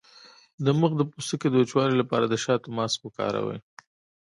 د مخ د پوستکي د وچوالي لپاره د شاتو ماسک وکاروئ